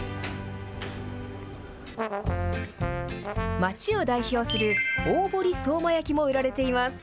町を代表する大堀相馬焼も売られています。